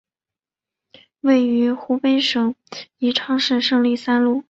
位于湖北省宜昌市胜利三路。